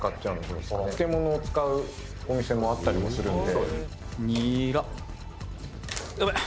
「漬物を使うお店もあったりもするので」